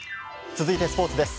続いて、スポーツです。